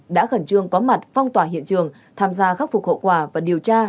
đã khẩn trương có mặt phong tỏa hiện trường tham gia khắc phục hậu quả và điều tra